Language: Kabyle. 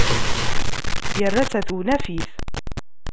Yerra-tt ɣer tewnafit.